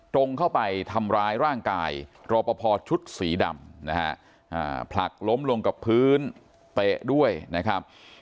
ตรงเข้าไปทำร้ายร่างกายรอปภชุดสีดำนะฮะผลักล้มลงกับพื้นเตะด้วยนะครับ